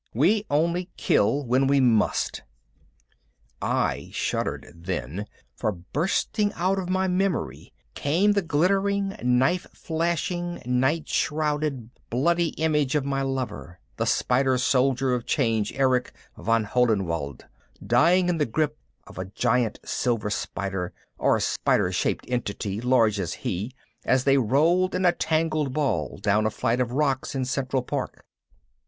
We only kill when we must." I shuddered then, for bursting out of my memory came the glittering, knife flashing, night shrouded, bloody image of my lover, the Spider soldier of change Erich von Hohenwald, dying in the grip of a giant silver spider, or spider shaped entity large as he, as they rolled in a tangled ball down a flight of rocks in Central Park.